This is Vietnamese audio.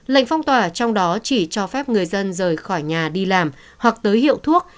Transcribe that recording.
lệnh phong tỏa trong đó chỉ cho phép người dân rời khỏi nhà đi làm hoặc tới hiệu thuốc